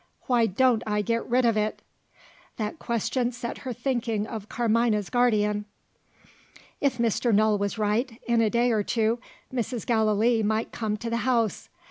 Why don't I get rid of it?" That question set her thinking of Carmina's guardian. If Mr. Null was right, in a day or two Mrs. Gallilee might come to the house.